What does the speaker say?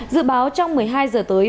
dự báo trong một mươi hai h tới